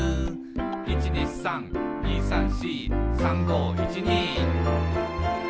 「１２３２３４」「３５１２」